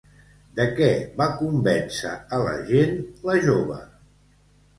De què va convèncer a la gent la jove?